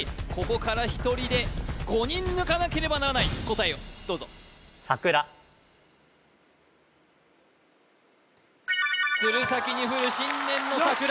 ここから１人で５人抜かなければならない答えをどうぞ鶴崎に降る新年の桜